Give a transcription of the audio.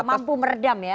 jadi nggak mampu meredam ya